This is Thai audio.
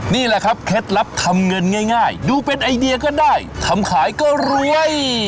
นี่แหละครับเคล็ดลับทำเงินง่ายดูเป็นไอเดียก็ได้ทำขายก็รวย